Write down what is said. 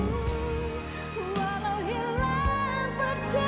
walau hilang percayaku